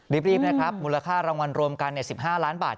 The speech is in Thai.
รีบรีบนะครับมูลค่ารางวัลรวมกันเนี่ยสิบห้าล้านบาท